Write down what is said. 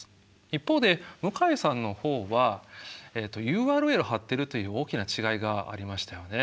一方で向井さんの方はＵＲＬを貼っているという大きな違いがありましたよね。